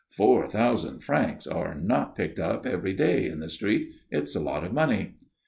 Four thousand francs are not picked up every day in the street. It's a lot of money."